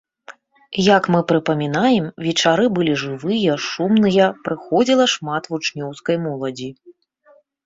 Як мы прыпамінаем, вечары былі жывыя, шумныя, прыходзіла шмат вучнёўскай моладзі.